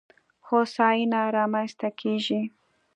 هوساینه رامنځته کېږي.